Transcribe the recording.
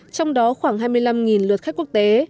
trong đó khoảng hai mươi năm lượt khách quốc tế